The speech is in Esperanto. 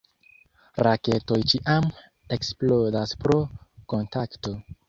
Raketoj ĉiam eksplodas pro kontakto.